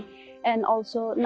dan juga tidak berada di dalam kudang